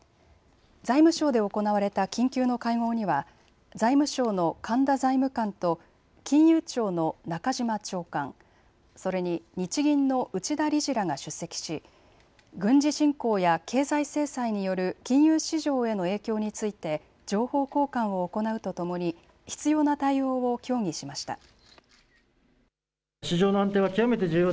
財務省で行われた緊急の会合には財務省の神田財務官と金融庁の中島長官、それに日銀の内田理事らが出席し軍事侵攻や経済制裁による金融市場への影響について情報交換を行うとともに必要な対応を協議しました。